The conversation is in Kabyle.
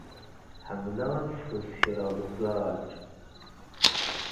Ḥemmleɣ ad sfuskreɣ deg ugaṛaj.